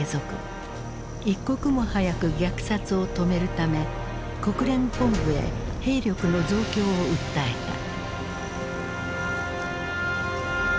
一刻も早く虐殺を止めるため国連本部へ兵力の増強を訴えた。